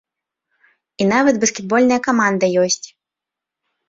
І нават баскетбольная каманда ёсць.